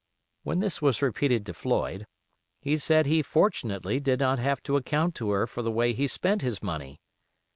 When this was repeated to Floyd, he said he fortunately did not have to account to her for the way he spent his money.